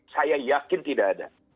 saya yakin tidak ada